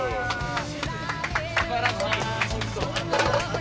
すばらしい。